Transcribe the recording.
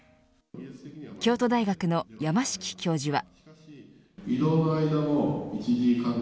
京都大学の山敷教授は。